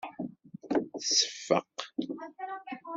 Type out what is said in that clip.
Tseffeq.